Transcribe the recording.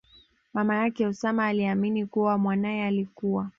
mama yake Osama aliamini kuwa mwanaye alikua